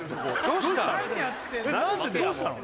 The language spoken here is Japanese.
どうしたの？